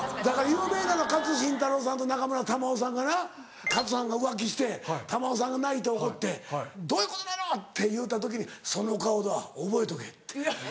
有名なのは勝新太郎さんと中村玉緒さんがな勝さんが浮気して玉緒さんが泣いて怒って「どういうことなの！」って言うた時に「その顔だ覚えとけ」って。